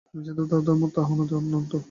আমি জানিতাম, তাহা ধর্ম, তাহা অনাদি অনন্ত।